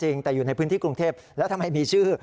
จริงแต่อยู่ในพื้นที่กรุงเทพแล้วทำไมมีชื่อ